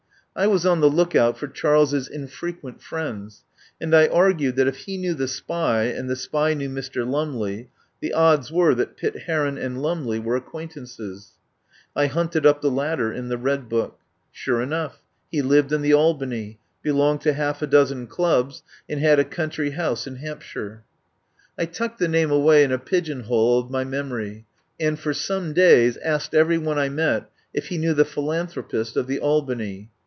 I was on the look out for Charles's infrequent friends, and I argued that if he knew the spy and the spy knew Mr. Lumley, the odds were that Pitt Heron and Lumley were acquaintances. I hunted up the latter in the Red Book. Sure enough, he lived in the Albany, belonged to half a dozen clubs, and had a country house in Hampshire. 40 I FIRST HEAR OF ANDREW LUMLEY I tucked the name away in a pigeon hole of my memory, and for some days asked every one I met if he knew the philanthropist of the Albany.